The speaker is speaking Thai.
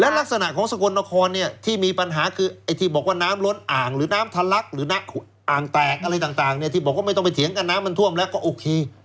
ลักษณะของสกลนครเนี่ยที่มีปัญหาคือไอ้ที่บอกว่าน้ำล้นอ่างหรือน้ำทะลักหรืออ่างแตกอะไรต่างเนี่ยที่บอกว่าไม่ต้องไปเถียงกันน้ำมันท่วมแล้วก็โอเค